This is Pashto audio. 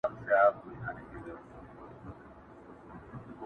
که دې خرو په سر کي لږ عقل لرلای.